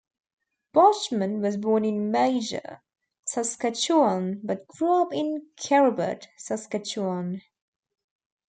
Boschman was born in Major, Saskatchewan, but grew up in Kerrobert, Saskatchewan.